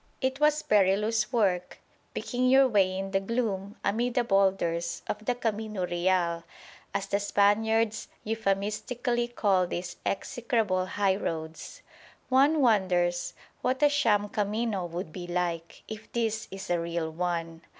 It was perilous work picking your way in the gloom amid the boulders of the "camino real," as the Spaniards euphemistically call these execrable highroads. One wonders what a sham "camino" would be like, if this is a "real" one.